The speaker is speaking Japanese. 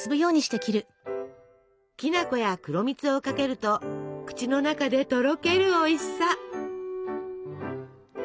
きな粉や黒蜜をかけると口の中でとろけるおいしさ！